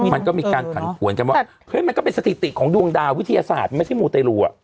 มันก็มีการผ่านปรวญนะมันก็เป็นสติติของดวงดาววิทยาศาสตร์ไม่ใช่มูเตรลูนต์